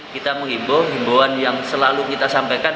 kita mengimbo imboan yang selalu kita sampaikan